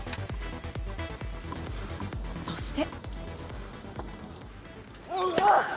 そして。